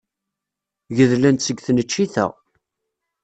Gedlen-t seg tneččit-a.